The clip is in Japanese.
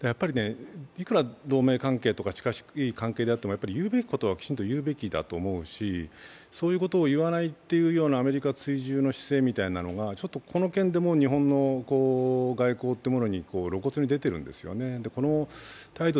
やっぱり、いくら同盟関係とか近しい関係であっても言うべきことは、きちんと言うべきだと思うし、そういうことを言わないっていうようなアメリカ追従の姿勢というようなものがこの件でも日本の外交というものに露骨に出てるんですよね。